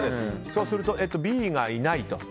そうするとＢがいないと。